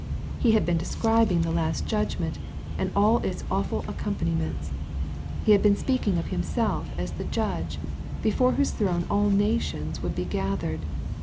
He had been describing the last judgment, and all its awful accompaniments. He had been speaking of Himself as the Judge, before whose throne all nations would be gathered.